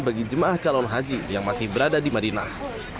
bagi jemaah calon haji yang masih berada di madinah